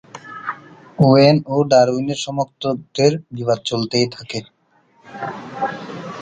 When ও ডারউইনের সমর্থকদের বিবাদ চলতেই থাকে।